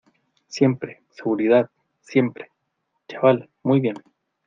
siempre, seguridad , siempre. chaval , muy bien .